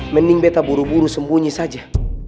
mending beta buru buru sembunyi saja